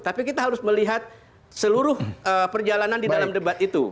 tapi kita harus melihat seluruh perjalanan di dalam debat itu